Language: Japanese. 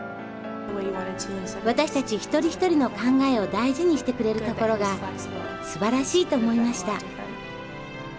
私たち一人一人の考えを大事にしてくれるところがすばらしいと思いました。